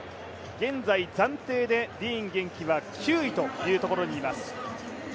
現在暫定でディーン元気は９位というところにいます。